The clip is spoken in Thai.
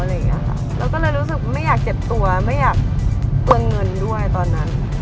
เราก็เลยรู้สึกไม่อยากเจ็บตัวไม่อยากโกงเงินด้วยตอนนั้น